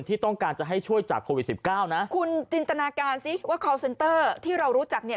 ที่ต้องการจะให้ช่วยจากโควิดสิบเก้านะคุณจินตนาการสิว่าคอลเซนเตอร์ที่เรารู้จักเนี่ย